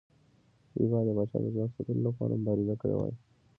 دوی باید د پاچا د ځواک ساتلو لپاره مبارزه کړې وای.